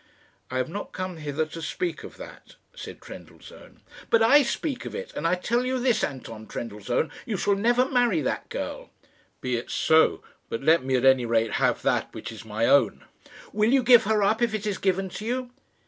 "I have not come hither to speak of that," said Trendellsohn. "But I speak of it; and I tell you this, Anton Trendellsohn you shall never marry that girl." "Be it so; but let me at any rate have that which is my own." "Will you give her up if it is given to you?"